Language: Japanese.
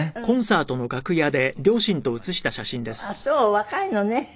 お若いのね。